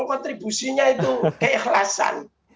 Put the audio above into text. kontribusinya itu keikhlasan